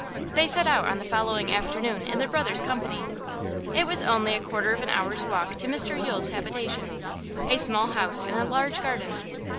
They set out on the following afternoon in their brother's company. It was only a quarter of an hour's walk to Mr Yule's habitation, a small house in a large garden.